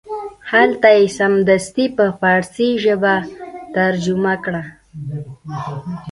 هلته یې سمدستي په فارسي ژبه ترجمه کړ.